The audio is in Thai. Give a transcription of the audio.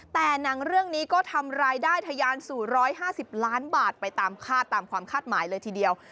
แต่หนังเรื่องนี้ก็ทำรายได้ทะยานสู่๑๕๐ล้านบาทไปตามคาดตามความคาดหมายเลยทีเดียว